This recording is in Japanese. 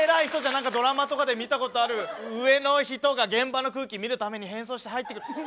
何かドラマとかで見たことある上の人が現場の空気見るために変装して入ってくる。